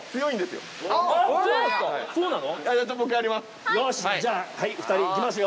よしじゃあ２人いきますよ。